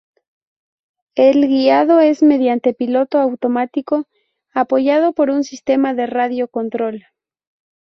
El guiado es mediante piloto automático apoyado por un sistema de radio control.